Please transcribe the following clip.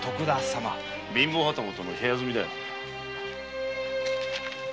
貧乏旗本の部屋住みだよ。